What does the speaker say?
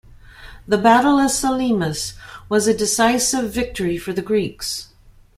The Battle of Salamis was a decisive victory for the Greeks.